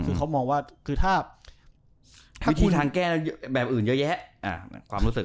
คือเขามองว่าคือถ้าวิธีทางแก้แล้วแบบอื่นเยอะแยะความรู้สึก